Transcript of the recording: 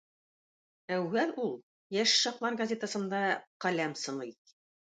Әүвәл ул "Яшь чаклар" газетасында каләм сыный.